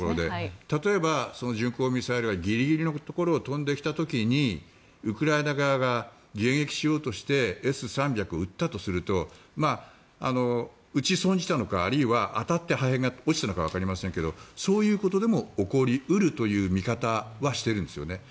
例えばその巡航ミサイルがギリギリのところを飛んできた時にウクライナ側が迎撃しようとしてＳ３００を撃ったとすると撃ち損じたのかあるいは、当たって破片が落ちたのかわかりませんけどそういうことでも起こり得るという見方はしているんですね。